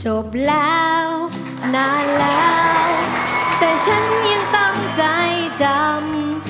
จบแล้วนานแล้วแต่ฉันยังตั้งใจจำ